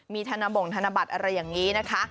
มีธนบ่งธนบัตรอะไรอย่างนี้นะคะ